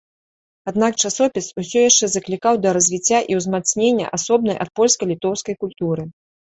Аднак, часопіс ўсё яшчэ заклікаў да развіцця і ўзмацнення асобнай ад польскай літоўскай культуры.